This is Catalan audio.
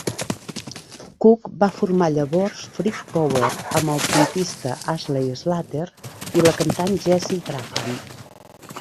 Cook va formar llavors Freak Power amb el trompista Ashley Slater i la cantant Jesse Graham.